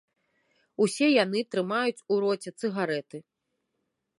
Усе яны трымаюць у роце цыгарэты.